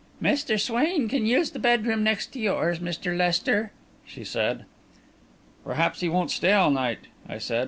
"Mr. Swain can use the bedroom next to yours, Mr. Lester," she said. "Perhaps he won't stay all night," I said.